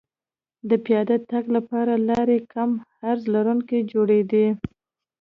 د پیاده تګ لپاره لارې کم عرض لرونکې جوړېدې